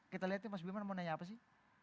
kita lihat nih mas bima mau nanya apa sih